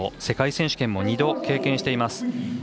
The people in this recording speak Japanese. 世界選手権も２度、経験しています。